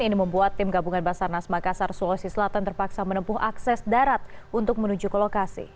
ini membuat tim gabungan basarnas makassar sulawesi selatan terpaksa menempuh akses darat untuk menuju ke lokasi